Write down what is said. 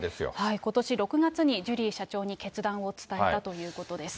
ことし６月に、ジュリー社長に決断を伝えたということです。